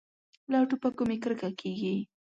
له ټوپکو مې کرکه کېږي.